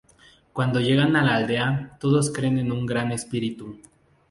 Cuando llegan a la aldea, todos creen en un gran espíritu.